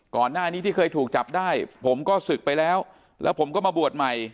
ก่อนหน้านี้ที่เคยถูกจับได้ผมก็ศึกไปแล้วแล้วผมก็มาบวชใหม่